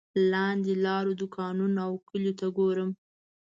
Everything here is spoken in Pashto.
لاندې لارو دوکانونو او کلیو ته ګورم.